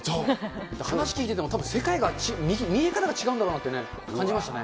話聞いてても世界が違うんだろうなって感じましたね。